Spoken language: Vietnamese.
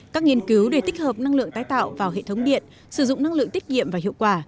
các nghiên cứu để tích hợp năng lượng tái tạo vào hệ thống điện sử dụng năng lượng tích nghiệm và hiệu quả